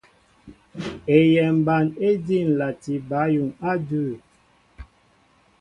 Eyɛmba éjí ǹlati bǎyuŋ á adʉ̂.